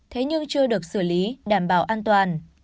thế nhưng chưa được xử lý đảm bảo an toàn